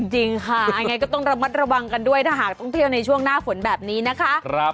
จริงค่ะยังไงก็ต้องระมัดระวังกันด้วยถ้าหากต้องเที่ยวในช่วงหน้าฝนแบบนี้นะคะ